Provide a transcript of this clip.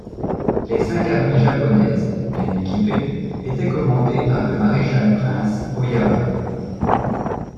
Les cinq armées japonaises, bien équipées, étaient commandées par le maréchal-prince Ōyama.